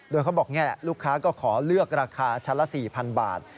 โดยเขาบอกนี่แหละลูกค้าก็ขอเลือกราคาชั้นละ๔๐๐๐บาท